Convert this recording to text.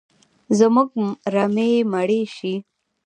زموږ رمې مړي شي